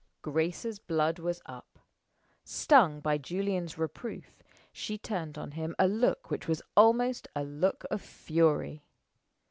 Grace's blood was up. Stung by Julian's reproof, she turned on him a look which was almost a look of fury.